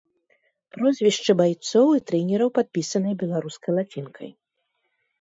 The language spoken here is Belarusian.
Прозвішчы байцоў і трэнераў падпісаныя беларускай лацінкай.